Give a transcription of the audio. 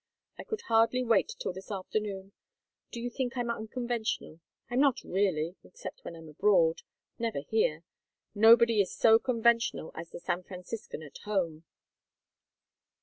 I could hardly wait till this afternoon! Do you think I'm unconventional? I'm not really, except when I'm abroad never here. Nobody is so conventional as the San Franciscan at home."